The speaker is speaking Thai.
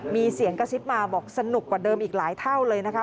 มีเสียงกระซิบมาบอกสนุกกว่าเดิมอีกหลายเท่าเลยนะคะ